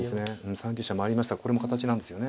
３九飛車回りましたがこれも形なんですよね。